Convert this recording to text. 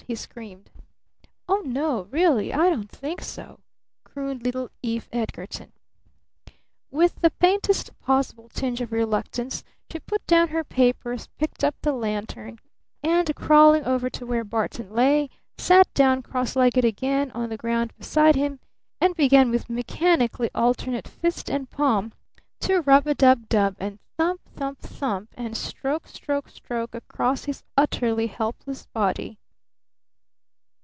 he screamed. "Oh, no really I don't think so," crooned little Eve Edgarton. With the faintest possible tinge of reluctance she put down her papers, picked up the lantern, and, crawling over to where Barton lay, sat down cross legged again on the ground beside him, and began with mechanically alternate fist and palm to rubadubdub and thump thump thump and stroke stroke stroke his utterly helpless body.